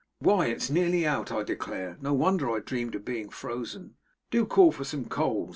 'Why, it's nearly out, I declare! No wonder I dreamed of being frozen. Do call for some coals.